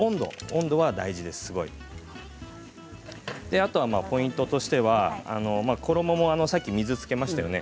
あとはポイントとしては衣さっき水をつけましたよね。